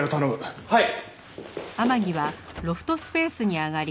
はい。